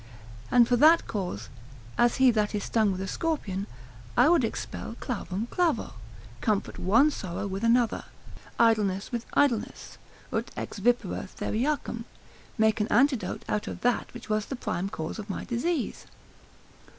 and for that cause, as he that is stung with a scorpion, I would expel clavum clavo, comfort one sorrow with another, idleness with idleness, ut ex vipera Theriacum, make an antidote out of that which was the prime cause of my disease.